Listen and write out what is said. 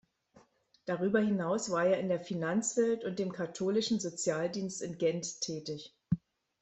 Darüber hinaus war er in der Finanzwelt und dem katholischen Sozialdienst in Gent tätig.